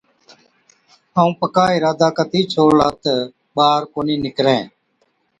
ائُون پڪا اِرادا ڪتِي ڇوڙلا تہ ٻاهر ڪونهِي نِڪرَين۔